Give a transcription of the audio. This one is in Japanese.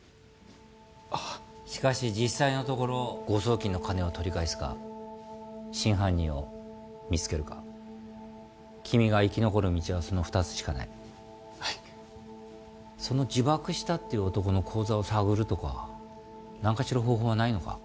あしかし実際のところ誤送金の金を取り返すか真犯人を見つけるか君が生き残る道はその２つしかないはいその自爆したっていう男の口座を探るとか何かしら方法はないのか？